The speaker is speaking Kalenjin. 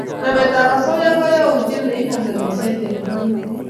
Nametab osoya ko yautiet neibu ngemisiet eng pororiet